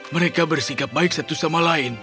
mereka bersikap baik satu sama lain